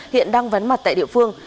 hiện đang vấn mặt tại địa phương